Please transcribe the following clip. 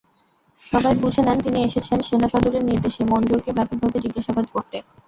সবাই বুঝে নেন, তিনি এসেছেন সেনাসদরের নির্দেশে, মঞ্জুরকে ব্যাপকভাবে জিজ্ঞাসাবাদ করতে।